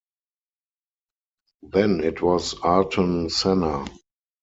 Then it was Ayrton Senna.